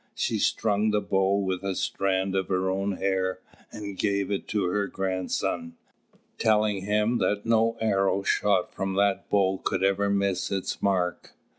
She strung the bow with a strand of her own hair, and gave it to her grandson, telling him that no arrow shot from that bow could ever miss its mark.